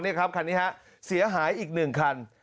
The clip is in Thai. นี่ครับคันนี้ฮะเสียหายอีก๑คัน